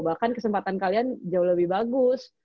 bahkan kesempatan kalian jauh lebih bagus